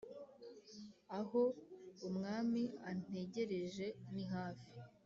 aho umwami antegereje nihafi